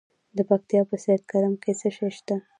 د پکتیا په سید کرم کې څه شی شته؟